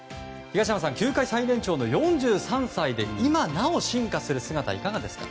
球界最年長の４３歳で今なお進化する姿いかがですか？